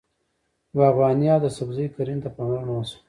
باغواني او د سبزۍ کرنې ته پاملرنه وشوه.